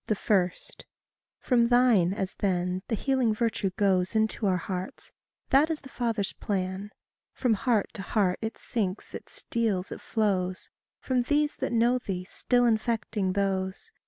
1. FROM thine, as then, the healing virtue goes Into our hearts that is the Father's plan. From heart to heart it sinks, it steals, it flows, From these that know thee still infecting those.